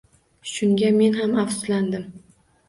Shunga men ham afsuslandim.